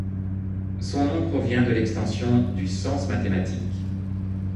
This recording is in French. Son nom provient de l'extension du sens mathématique.